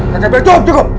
kakak beritahu cukup cukup